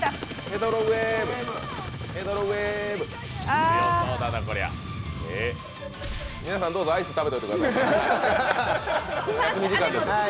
あ皆さんどうぞアイス食べといてください。